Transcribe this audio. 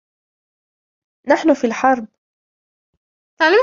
نحن في حرب.